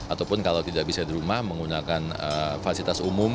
ataupun kalau tidak bisa di rumah menggunakan fasilitas umum